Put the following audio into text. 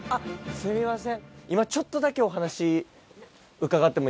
すいません